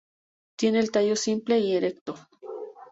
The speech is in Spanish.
Tiene el tallo simple y erecto.